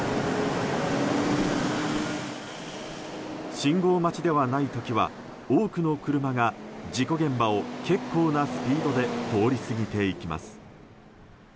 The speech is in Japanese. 信号待ちではない時は多くの車が事故現場を結構なスピードで通り過ぎていきます。